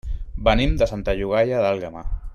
Venim de Santa Llogaia d'Àlguema.